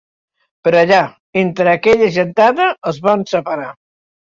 Però allà, entre aquella gentada, els van separar.